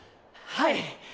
はい！